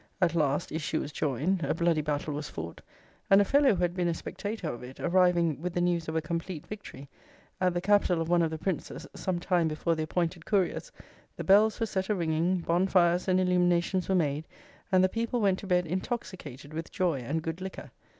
At last, issue was joined; a bloody battle was fought; and a fellow who had been a spectator of it, arriving, with the news of a complete victory, at the capital of one of the princes some time before the appointed couriers, the bells were set a ringing, bonfires and illuminations were made, and the people went to bed intoxicated with joy and good liquor.